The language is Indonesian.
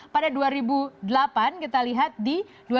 pada dua ribu delapan kita lihat di